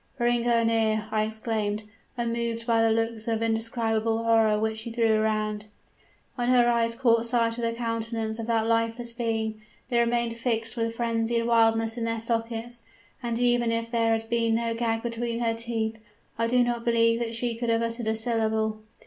"'Bring her near!' I exclaimed, unmoved by the looks of indescribable horror which she threw around. "When her eyes caught sight of the countenance of that lifeless being, they remained fixed with frenzied wildness in their sockets, and even if there had been no gag between her teeth, I do not believe that she could have uttered a syllable.